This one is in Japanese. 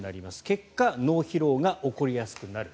結果脳疲労が起こりやすくなる。